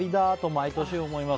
毎年思います。